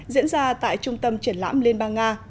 diễn ra tại trung tâm triển lãm liên bang nga